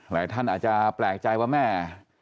หลายท่านอาจจะแปลกใจว่าแม่